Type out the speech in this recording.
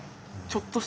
ちょっと。